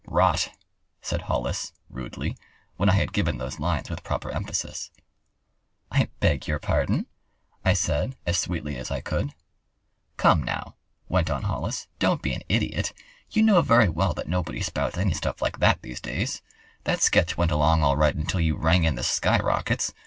"Rot," said Hollis, rudely, when I had given those lines with proper emphasis. "I beg your pardon!" I said, as sweetly as I could. "Come now," went on Hollis, "don't be an idiot. You know very well that nobody spouts any stuff like that these days. That sketch went along all right until you rang in the skyrockets.